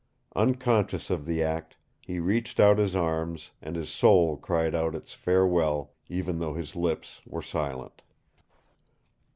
Unconscious of the act, he reached out his arms, and his soul cried out its farewell, even though his lips were silent.